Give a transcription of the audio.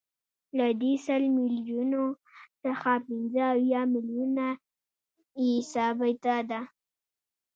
له دې سل میلیونو څخه پنځه اویا میلیونه یې ثابته ده